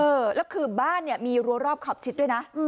เออแล้วคือบ้านเนี่ยมีรัวรอบขอบชิดด้วยนะ